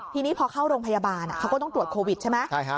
ทีนี้พอเข้าโรงพยาบาลเขาก็ต้องตรวจโควิดใช่ไหม